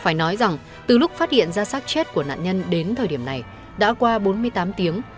phải nói rằng từ lúc phát hiện ra sát chết của nạn nhân đến thời điểm này đã qua bốn mươi tám tiếng